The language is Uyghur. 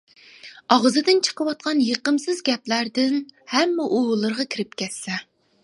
ئاغزىدىن چىقىۋاتقان يېقىمسىز گەپلەردىن ھەممە ئۇۋىلىرىغا كېرىپ كەتسە!